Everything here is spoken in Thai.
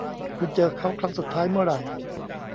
คุณเจอเค้าครั้งสุดท้ายเมื่อไหร่